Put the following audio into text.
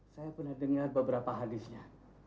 saya pernah dengar beberapa hadisnya